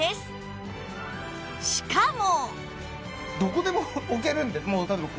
しかも